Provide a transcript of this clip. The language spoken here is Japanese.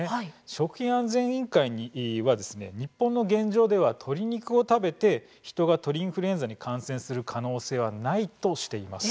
食品安全委員会は日本の現状では鶏肉を食べてヒトが鳥インフルエンザに感染する可能性はないとしています。